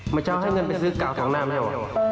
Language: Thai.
มันเจ้าให้เงินไปซื้อ๙๒๕ใช่หรือ